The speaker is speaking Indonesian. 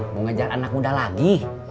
mau ngajar anak muda lagi